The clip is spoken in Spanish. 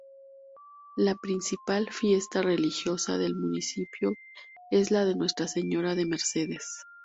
La principal fiesta religiosa del municipio es la de Nuestra Señora de Mercedes.